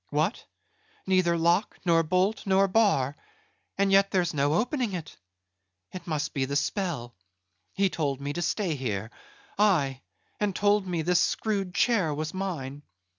What? neither lock, nor bolt, nor bar; and yet there's no opening it. It must be the spell; he told me to stay here: Aye, and told me this screwed chair was mine.